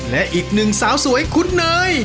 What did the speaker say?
และอีกหนึ่งสาวสวยคุณเนย